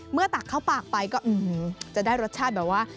ตักเข้าปากไปก็จะได้รสชาติแบบว่า